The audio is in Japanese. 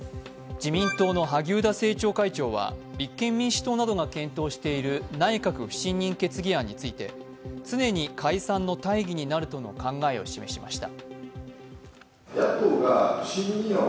自民党の萩生田政調会長は立憲民主党などが検討している内閣不信任決議案について、常に解散の大義になるとの考えを示しました。